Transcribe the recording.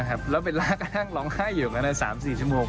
แล้วเบลล่าก็นั่งร้องห้าอยู่อยู่อย่างนั้น๓๔ชั่วโมง